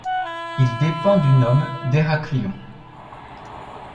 Il dépend du Nome d'Héraklion.